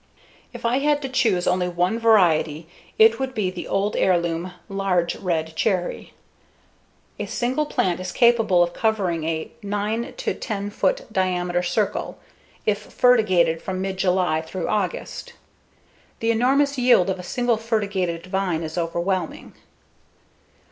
If I had to choose only one variety it would be the old heirloom [Large] Red Cherry. A single plant is capable of covering a 9 to 10 foot diameter circle if fertigated from mid July through August. The enormous yield of a single fertigated vine is overwhelming.